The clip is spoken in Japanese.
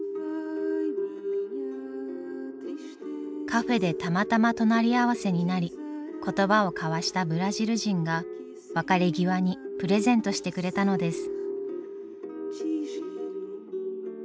カフェでたまたま隣り合わせになり言葉を交わしたブラジル人が別れ際にプレゼントしてくれたのです。